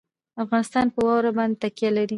افغانستان په واوره باندې تکیه لري.